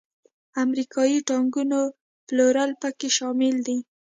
امریکایي ټانکونو پلورل پکې شامل دي.